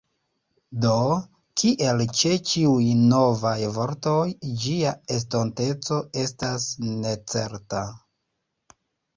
Do, kiel ĉe ĉiuj novaj vortoj, ĝia estonteco estas necerta.